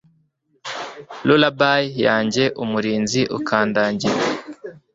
Lullaby yanjye umurinzi ukandagira